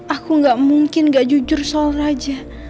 aku gak mungkin gak jujur soal raja